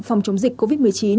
phòng chống dịch covid một mươi chín